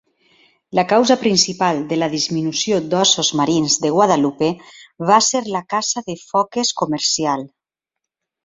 La causa principal de la disminució d'ossos marins de Guadalupe va ser la caça de foques comercial.